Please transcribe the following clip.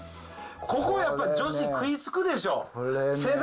ここやっぱり女子食いつくでしょそれね。